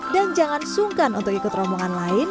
dan jangan sungkan untuk ikut rompongan lain